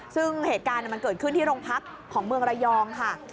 ซึ่งเหตุการณ์มันเกิดขึ้นที่โรงพักของเมืองระยองค่ะ